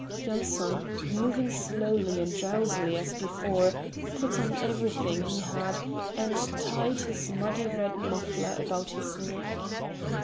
Yanson, moving slowly and drowsily as before, put on everything he had and tied his muddy red muffler about his neck.